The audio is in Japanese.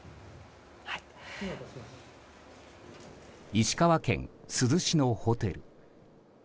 石川県珠洲市のホテル。